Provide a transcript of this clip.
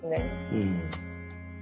うん。